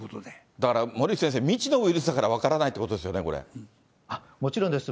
だから、森内先生、未知のウイルスだから分からないというこもちろんです。